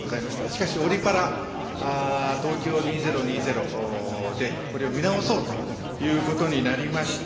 しかし、オリパラ東京２０２０で、これを見直そうということになりまして、